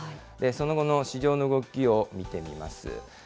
その後の市場の動きを見てみます。